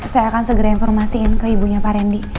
saya akan segera informasiin ke ibunya pak randy